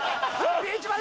ビーチまで！